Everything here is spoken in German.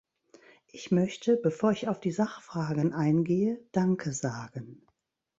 Ich möchte, bevor ich auf die Sachfragen eingehe, danke sagen.